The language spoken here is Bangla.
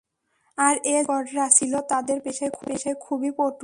আর এ জাদুকররা ছিল তাদের পেশায় খুবই পটু।